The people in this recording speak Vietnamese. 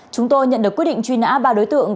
chúng tôi nhận được quyết định truy nã ba đối tượng